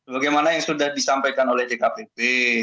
bagaimana yang sudah disampaikan oleh dkpp